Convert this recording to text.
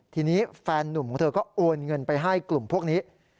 ทีนี้แฟนนุ่มของเธอก็โอนเงินไปให้กลุ่มพวกนี้